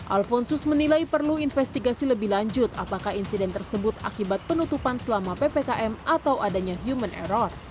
alfonsus menilai perlu investigasi lebih lanjut apakah insiden tersebut akibat penutupan selama ppkm atau adanya human error